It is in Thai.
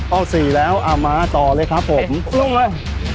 สี่แล้วมาต่อเลยครับผมลงมา